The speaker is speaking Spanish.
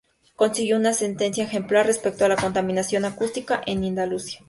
Consiguió una sentencia ejemplar respecto a la contaminación acústica en Andalucía.